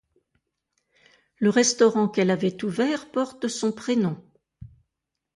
Le restaurant qu'elle avait ouvert porte son prénom.